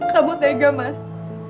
kamu tega mas